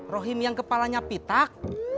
rohim yang kepalanya pitak